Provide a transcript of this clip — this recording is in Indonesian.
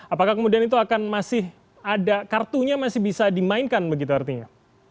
apakah kemudian itu akan masih ada kartunya masih bisa dimainkan begitu artinya